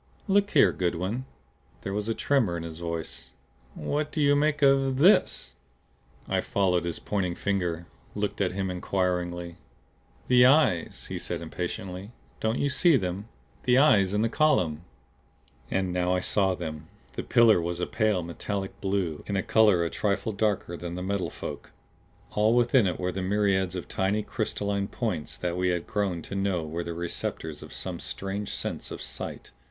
"Look here, Goodwin!" There was a tremor in his voice. "What do you make of THIS?" I followed his pointing finger; looked at him inquiringly. "The eyes!" he said impatiently. "Don't you see them? The eyes in the column!" And now I saw them. The pillar was a pale metallic blue, in color a trifle darker than the Metal Folk. All within it were the myriads of tiny crystalline points that we had grown to know were the receptors of some strange sense of sight.